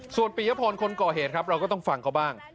ส่วนปียพรคนก่อเหตุครับเราก็ต้องฟังเขาบ้าง